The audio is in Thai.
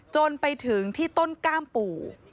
จนไปถึงที่ต้นกล้ามปู่